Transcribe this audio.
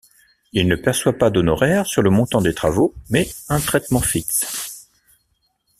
Il ne perçoit pas d’honoraires sur le montant des travaux mais un traitement fixe.